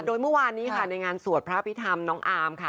โดยเมื่อวานนี้ค่ะในงานสวดพระพิธรรมน้องอาร์มค่ะ